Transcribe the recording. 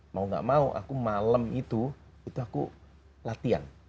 mau gak mau aku malam itu itu aku latihan